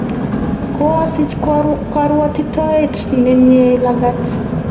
Koasich korwotitoet ne mie lagat.